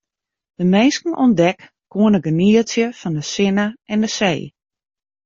De minsken oan dek koene genietsje fan de sinne en de see.